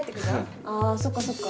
あぁそっかそっか。